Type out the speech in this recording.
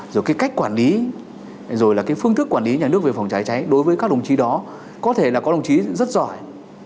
rồi cái cách quản lý rồi là cái phương thức quản lý nhà nước về phòng cháy cháy đối với các đồng chí đó có thể là có đồng chí rất giỏi